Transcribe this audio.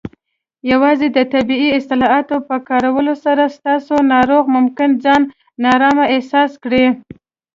یوازې د طبي اصطلاحاتو په کارولو سره، ستاسو ناروغ ممکن ځان نارامه احساس کړي.